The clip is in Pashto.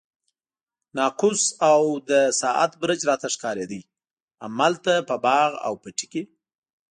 ناقوس او د ساعت برج راته ښکارېده، همالته په باغ او پټي کې.